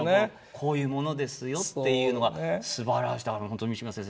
「こういうものですよ」っていうのがすばらしい本当に三島先生